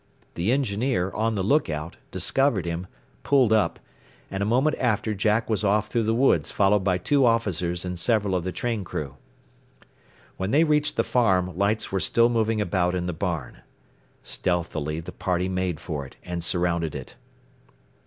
The engineer, on the lookout, discovered him, pulled up, and a moment after Jack was off through the woods followed by two officers and several of the train crew. When they reached the farm, lights were still moving about in the barn. Stealthily the party made for it, and surrounded it.